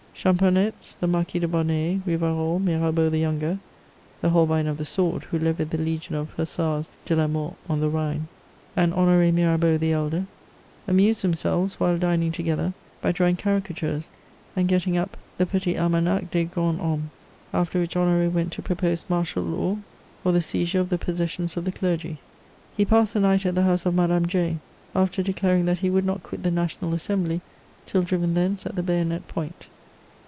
Champoenetz, the Marquis de Bonnay, Rivarol, Mirabeau the younger (the Holbein of the sword, who levied the le^on of Hussars de la Mort on the Rhine), and HonorC Mirabeau the elder, amused themselves, while dining together, by drawing caricatures and getting up the Petit Alma naeh ties grands homme i ; after which Honor4 went to propose martial law or the seizure of the possessions of the clergy. He passed the night at the house of Madame Jay, after declaring that he would not quit the National Assembly till driven thence at the bayonet point.